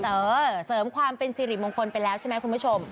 เสริมความเป็นสิริมงคลไปแล้วใช่ไหมคุณผู้ชม